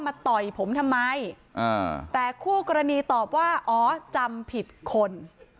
ต่อยผมทำไมอ่าแต่คู่กรณีตอบว่าอ๋อจำผิดคน